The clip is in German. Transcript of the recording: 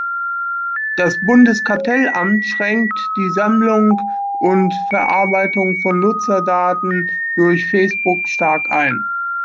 Das Bundeskartellamt schränkt die Sammlung und Verarbeitung von Nutzerdaten durch Facebook stark ein.